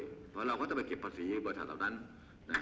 เพราะเราก็จะไปเก็บภาษีให้บริษัทเหล่านั้นนะ